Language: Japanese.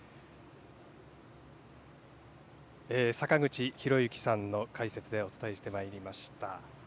坂口裕之さんの解説でお伝えしてまいりました。